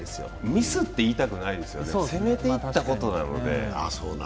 ミスって言いたくないですよね、攻めていったことなので。